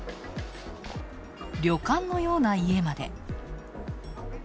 旅館のような家まで。